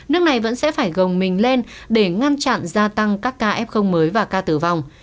nước này vẫn sẽ phải gồng mình lên để ngăn chặn gia tăng các ca f mới và ca tử vong